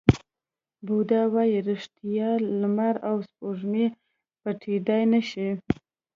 بودا وایي ریښتیا، لمر او سپوږمۍ پټېدای نه شي.